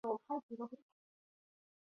菲利波在三个孩子中排行居中。